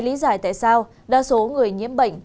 lý giải tại sao đa số người nhiễm bệnh